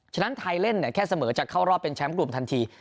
ฉะนั้นไทยเล่นแค่เสมอจะเข้ารอบเป็นแชมป์กลุ่มทันที